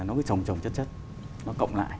nó trồng trồng chất chất nó cộng lại